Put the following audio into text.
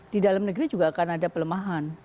di dalam negeri juga akan ada pelemahan